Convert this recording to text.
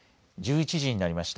１１時になりました。